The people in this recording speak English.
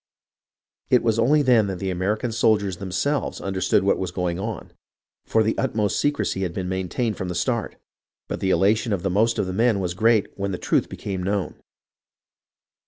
It was only then that the Ameri can soldiers themselves understood what was going on, for the utmost secrecy had been maintained from the start, but the elation of the most of the men was great when the truth became known.